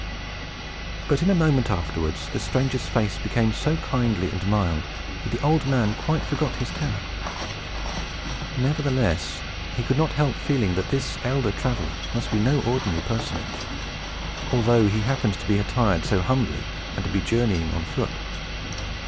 But, in a moment afterwards, the stranger's face became so kindly and mild that the old man quite forgot his terror. Nevertheless, he could not help feeling that this elder traveler must be no ordinary personage, although he happened now to be attired so humbly and to be journeying on foot.